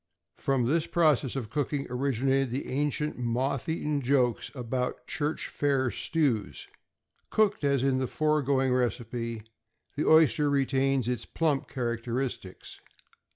From this process of cooking originated the ancient moth eaten jokes about church fair stews. Cooked as in the foregoing recipe, the oyster retains its plump characteristics.